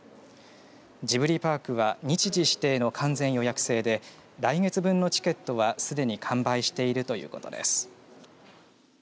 ジブリパークは日時指定の完全予約制で来月分のチケットはすでに完売しているということです。